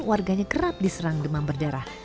warganya kerap diserang demam berdarah